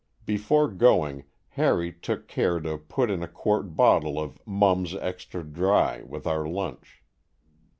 Before going, Harry took care to put in a quart bottle of "Mumm's Extra Dry" with our lunch.